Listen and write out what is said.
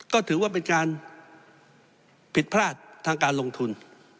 ก็ถือว่าเป็นการผิดพลาดทางการลงทุน